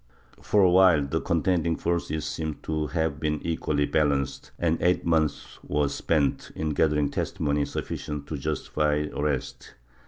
For awhile the contending forces seem to have been equally balanced and eight months were spent in gathering testimony sufficient to justify arrest.